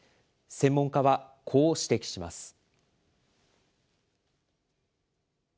専門家は、こう指摘します。